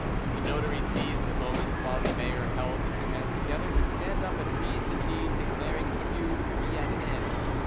The notary seized the moment, while the mayor held the two hands together, to stand up and read the deed declaring the feud to be at an end.